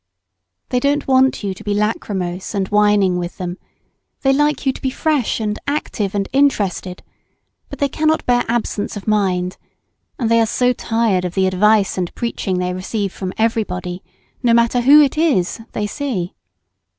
They don't want you to be lachrymose and whining with them, they like you to be fresh and active and interested, but they cannot bear absence of mind, and they are so tired of the advice and preaching they receive from everybody, no matter whom it is, they see.